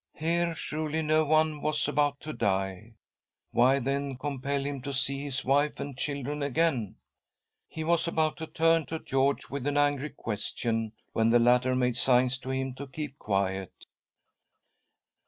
Here surely no oije was about to die ! Why then compel him to see his wife and children again ? He was about to turn to George with an angry question, when the latter made signs to him to keep qtjiet.